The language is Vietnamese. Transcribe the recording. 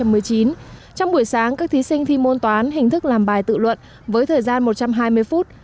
trong buổi sáng các thí sinh thi môn toán hình thức làm bài tự luận với thời gian một trăm hai mươi phút